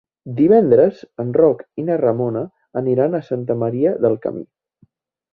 Divendres en Roc i na Ramona aniran a Santa Maria del Camí.